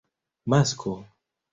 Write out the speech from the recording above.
masko